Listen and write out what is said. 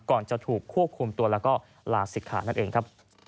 ก่อนจะถูกควบคุมตัวและลาศิกขา